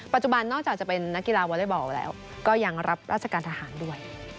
นอกจากจะเป็นนักกีฬาวอเล็กบอลแล้วก็ยังรับราชการทหารด้วย